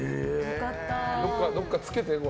どこかつけて。